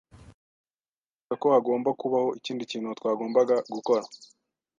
Nakekaga ko hagomba kubaho ikindi kintu twagombaga gukora.